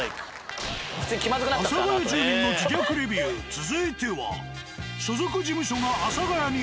続いては。